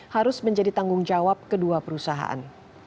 harus menjadi tanggung jawab kedua perusahaan